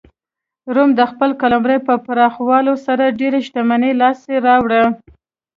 روم د خپل قلمرو په پراخولو سره ډېره شتمنۍ لاسته راوړه.